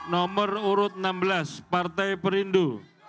nomor urut enam belas partai perindu